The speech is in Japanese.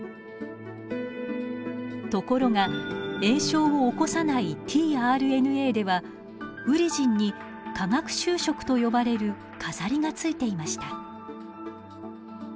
ところが炎症を起こさないｔＲＮＡではウリジンに化学修飾と呼ばれる飾りがついていました。